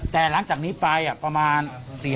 เป็นอะไรพบเนี้ย